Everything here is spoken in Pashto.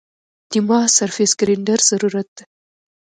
دې ما سرفېس ګرېنډر ضرورت ده